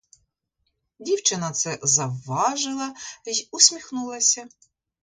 Дівчина це завважила й усміхнулася.